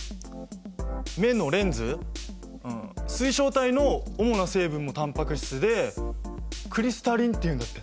目のレンズ水晶体の主な成分もタンパク質でクリスタリンっていうんだって。